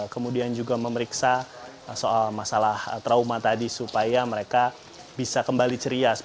kemudian juga memeriksa soal masalah trauma tadi supaya mereka bisa kembali ceria